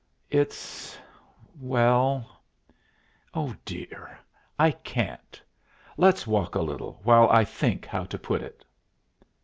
"It's well Oh, dear, I can't. Let's walk a little, while I think how to put it."